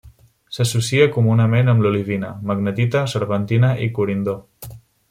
S'associa comunament amb l'olivina, magnetita, serpentina, i corindó.